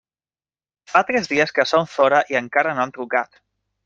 Fa tres dies que són fora i encara no han trucat.